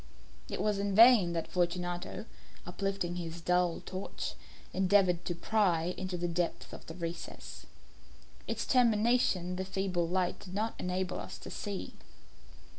It was in vain that Fortunato, uplifting his dull torch, endeavoured to pry into the depth of the recess. Its termination the feeble light did not enable us to see.